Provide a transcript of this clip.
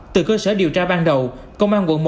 từ cơ sở điều tra ban đầu công an quận một